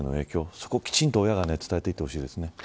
そこをきちんと親が伝えていってほしいですね。